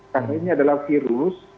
karena ini adalah virus